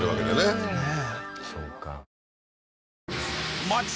そうですね